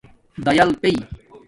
دَیل پئئ